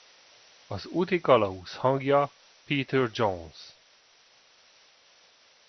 Az útikalauz hangja Peter Jones.